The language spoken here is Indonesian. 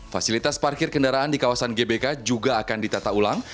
fasilitas parkir kendaraan di kawasan gbk juga akan ditata ulang